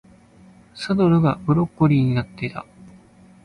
サドルがブロッコリーになってた